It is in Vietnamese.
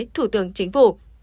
thủ tướng chính phủ